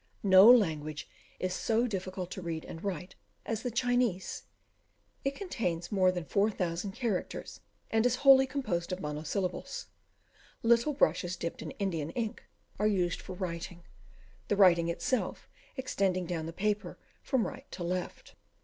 No language is so difficult to read and write as the Chinese; it contains more than four thousand characters, and is wholly composed of monosyllables. Little brushes dipped in Indian ink are used for writing, the writing itself extending down the paper from right to left.